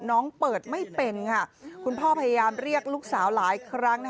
น้องเปิดไม่เป็นค่ะคุณพ่อพยายามเรียกลูกสาวหลายครั้ง